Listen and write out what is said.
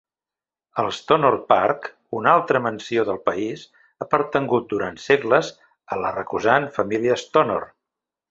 El Stonor Park, una altra mansió del país, ha pertangut durant segles a la recusant família Stonor.